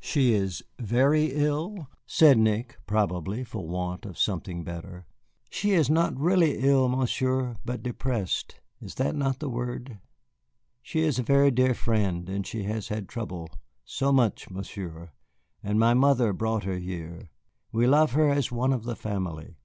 "She is very ill?" said Nick, probably for want of something better. "She is not really ill, Monsieur, but depressed is not that the word? She is a very dear friend, and she has had trouble so much, Monsieur, and my mother brought her here. We love her as one of the family."